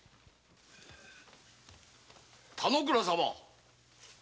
田之倉様。